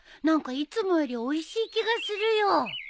何かいつもよりおいしい気がするよ。